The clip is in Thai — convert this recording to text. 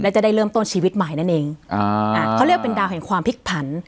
จะได้เริ่มต้นชีวิตใหม่นั่นเองอ่าอ่าเขาเรียกเป็นดาวแห่งความพลิกผัน